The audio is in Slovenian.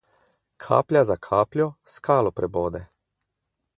Kaplja za kapljo skalo prebode.